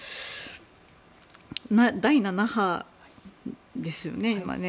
第７波ですよね、今ね。